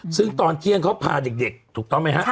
ซึ่งตอนเที่ยงเขาพาเด็กถูกต้องไหมฮะ